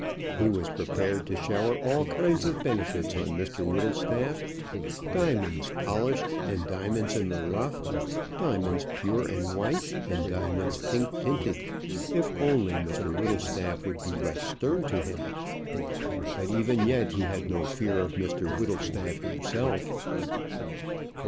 He was prepared to shower all kinds of benefits on Mr Whittlestaff, diamonds polished, and diamonds in the rough, diamonds pure and white, and diamonds pink tinted, if only Mr Whittlestaff would be less stern to him. But even yet he had no fear of Mr Whittlestaff himself.